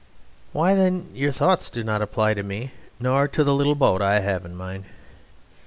Why, then, your thoughts do not apply to me nor to the little boat I have in mind.